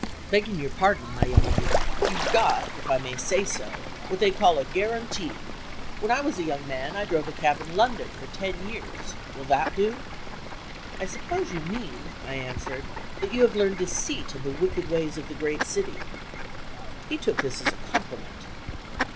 "Begging your pardon, my young lady, you've got (if I may say so) what they call a guarantee. When I was a young man, I drove a cab in London for ten years. Will that do?" "I suppose you mean," I answered, "that you have learned deceit in the wicked ways of the great city." He took this as a compliment.